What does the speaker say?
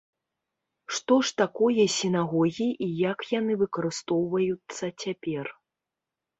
Што ж такое сінагогі і як яны выкарыстоўваюцца цяпер?